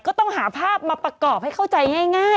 ก็ต้องหาภาพมาประกอบให้เข้าใจง่าย